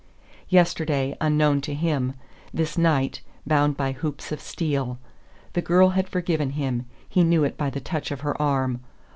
Yesterday, unknown to him; this night, bound by hoops of steel. The girl had forgiven him; he knew it by the touch of her arm....